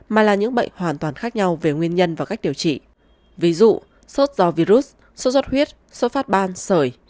mà là những bệnh hoàn toàn khác nhau về nguyên nhân và cách điều trị ví dụ sốt do virus sốt xuất huyết sốt phát ban sởi